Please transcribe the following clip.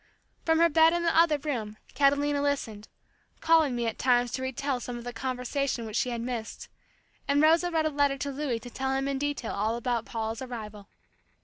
From her bed in the other room, Catalina listened, calling me at times to re tell some of the conversation which she had missed, and Rosa wrote a letter to Louis to tell him in detail all about Paula's arrival.